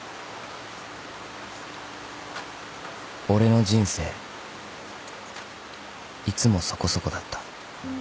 ［俺の人生いつもそこそこだった］